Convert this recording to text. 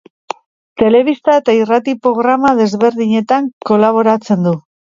Telebista eta irrati programa desberdinetan kolaboratzen du.